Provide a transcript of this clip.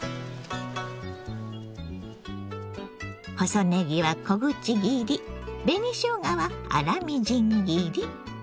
細ねぎは小口切り紅しょうがは粗みじん切り。